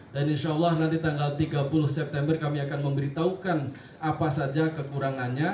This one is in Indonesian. dan insya allah nanti tanggal tiga puluh september kami akan memberitahukan apa saja kekurangannya